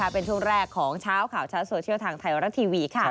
เป็นช่วงแรกของเช้าข่าวชัดโซเชียลทางไทยรัฐทีวี